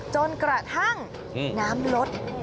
จนกระทั่งน้ำลด